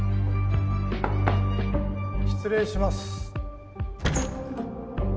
失礼します。